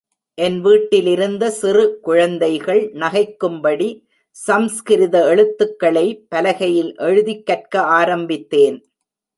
என் வீட்டிலிருந்த சிறு குழந்தைகள் நகைக்கும்படி, சம்ஸ்கிருத எழுத்துகளை, பலகையில் எழுதிக் கற்க ஆரம்பித்தேன்!